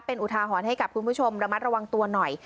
เป็นอุทาหรณ์ให้กับคุณผู้ชมระมัดระวังตัวหน่อย